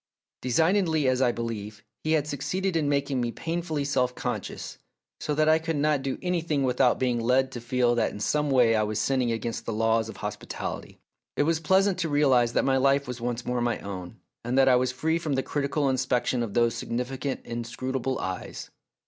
Designedly, as I believe, he had succeeded in making me pain fully self conscious, so that I could not do A DISTINGUISHED GUEST 181 anything without being led to feel that in some way I was sinning against the laws of hospitality. It was pleasant to realise that my life was once more my own, and that I was free from the critical inspection of those significant, inscrutable eyes.